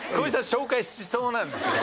紹介しそうなんですよね